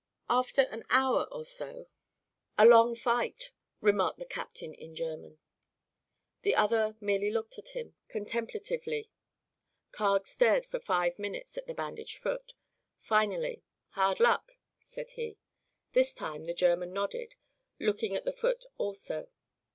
After an hour or so: "A long fight," remarked the captain in German. The other merely looked at him, contemplatively. Carg stared for five minutes at the bandaged foot. Finally: "Hard luck," said he. This time the German nodded, looking at the foot also.